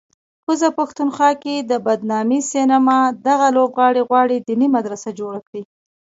کوزه پښتونخوا کې د بدنامې سینما دغه لوبغاړی غواړي دیني مدرسه جوړه کړي